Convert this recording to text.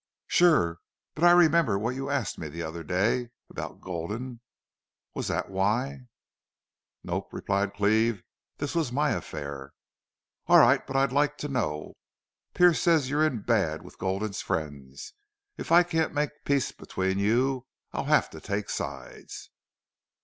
"Sure.... But I remember what you asked me the other day about Gulden. Was that why?" "Nope," replied Cleve. "This was my affair." "All right. But I'd like to know. Pearce says you're in bad with Gulden's friends. If I can't make peace between you I'll have to take sides."